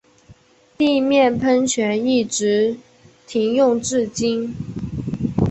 地面喷泉一直停用至今。